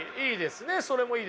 それもいいですよ。